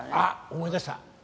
思い出した。